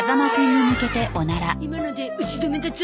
今ので打ち止めだゾ。